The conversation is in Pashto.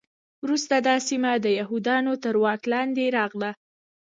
وروسته دا سیمه د یهودانو تر واک لاندې راغله.